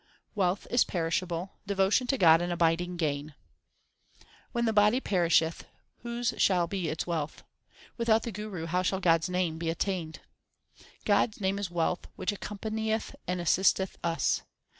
Wealth is perishable ; devotion to God an abiding gain : When the body perisheth, whose shall be its wealth ? Without the Guru how shall God s name be obtained ? God s name is wealth which accompanieth and assisteth us.